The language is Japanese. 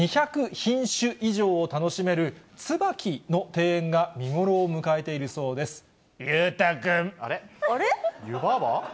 ２００品種以上を楽しめるツバキの庭園が見頃を迎えているそうです。